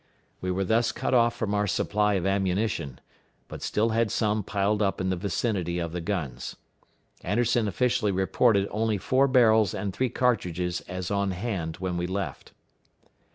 We were thus cut off from our supply of ammunition, but still had some piled up in the vicinity of the guns. Anderson officially reported only four barrels and three cartridges as on hand when we left.